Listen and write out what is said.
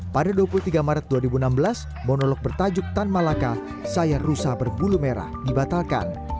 pada dua puluh tiga maret dua ribu enam belas monolog bertajuk tan malaka saya rusa berbulu merah dibatalkan